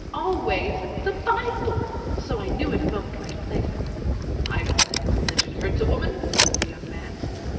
'always the Bible.' So I knew in a moment where to place her." "I don't think religion hurts a woman," said the young man.